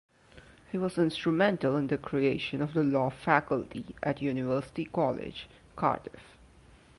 He was instrumental in the creation of the Law Faculty at University College Cardiff.